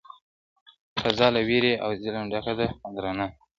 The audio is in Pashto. o فضا له وېري او ظلم ډکه ده او درنه ده,